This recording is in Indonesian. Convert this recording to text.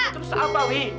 terus apa dewi